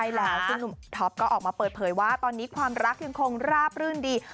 ใช่แล้วซึ่งหนุ่มท็อปก็ออกมาเปิดเผยว่าตอนนี้ความรักยังคงราบรื่นดี